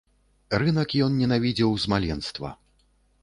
Рынак ён ненавідзеў з маленства.